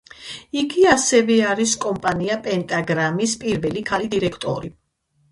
იგი ასევე არის კომპანია პენტაგრამის პირველი, ქალი დირექტორი.